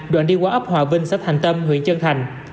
đoạn đi qua ấp hòa vinh xã thành tâm huyện trân thành